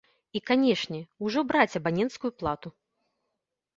І, канешне, ужо браць абаненцкую плату.